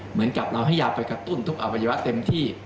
เหมือนกับเราให้ยาไปกระตุ้นทุกอวัยวะเต็มที่